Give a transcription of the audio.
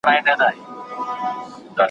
زلزلې نه ګوري پښتون او فارسي وان وطنه ,